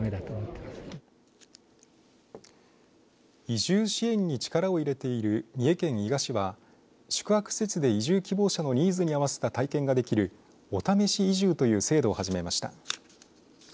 移住支援に力を入れている三重県伊賀市は宿泊施設で移住希望者のニーズに合わせた体験ができるおためし移住という制度を始めました。